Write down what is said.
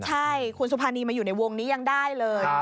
ใช่คุณสุภานีมาอยู่ในวงนี้ยังได้เลย